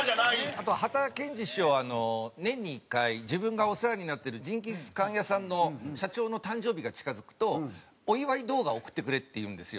あとはたけんじ師匠は年に１回自分がお世話になってるジンギスカン屋さんの社長の誕生日が近付くと「お祝い動画送ってくれ」って言うんですよ。